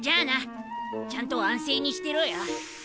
ちゃんと安静にしてろよ。